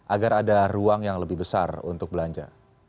agar ada ruang yang lebih besar untuk belanja